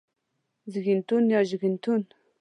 زيږنتون يا زيژنتون